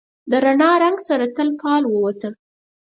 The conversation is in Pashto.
د رڼا، رنګ سره تر فال ووته